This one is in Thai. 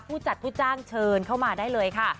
ผู้จัดผู้จ้างเชิญเข้ามาได้เลยค่ะ